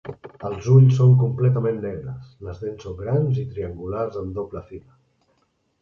Els ulls són completament negres, les dents són grans i triangulars en doble fila.